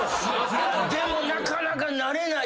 でもなかなか慣れないよね